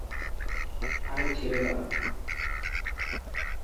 আরে ছেঁড়ে দাও।